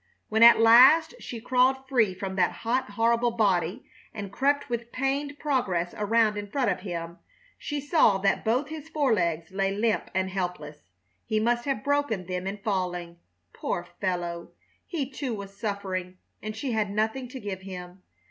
When at last she crawled free from the hot, horrible body and crept with pained progress around in front of him, she saw that both his forelegs lay limp and helpless. He must have broken them in falling. Poor fellow! He, too, was suffering and she had nothing to give him!